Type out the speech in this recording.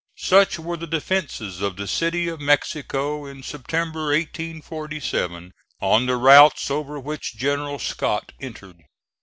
Such were the defences of the City of Mexico in September, 1847, on the routes over which General Scott entered.